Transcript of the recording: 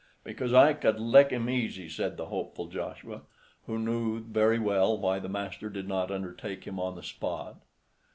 "Because I could lick him, easy," said the hopeful Joshua, who knew very well why the master did not undertake him on the spot.